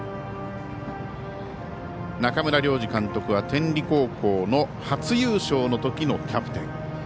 中村良二監督は天理高校の初優勝のときのキャプテン。